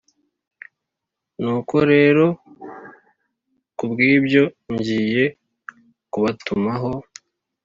Nuko rero ku bw ibyo ngiye kubatumaho